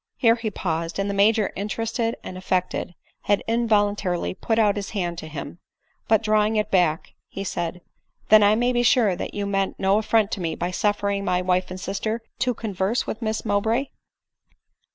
" Here he paused ; and the Major interested and affect ed, had involuntarily put out his hand to him ; but, draw ing it back, he said, " then I may be sure that you meant no affi ont to ,me by suffering my wife and sister to con verse with Miss Mowbray